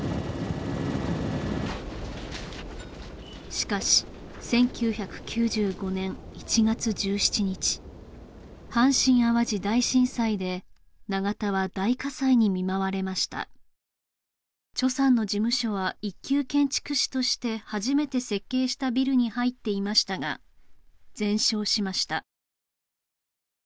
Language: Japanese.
しかし１９９５年１月１７日阪神・淡路大震災で長田は大火災に見舞われましたさんの事務所は一級建築士として初めて設計したビルに入っていましたが全焼しました